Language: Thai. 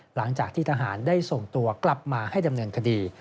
หลังจากที่ทหารได้ส่งตัวกลับมาให้ดำเนินคดี